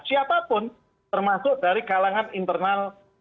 siapapun termasuk dari kalangan internal